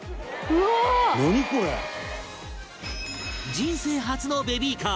人生初のベビーカー